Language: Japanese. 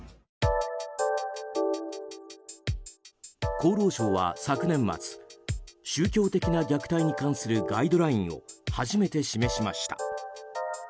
厚労省は昨年末宗教的な虐待に関するガイドラインを初めて示しました。